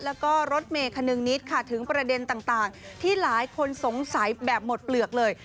แล้วก็รถเมย์คนึงนิดค่ะถึงประเด็นต่างที่หลายคนสงสัยแบบหมดเปลือกเลย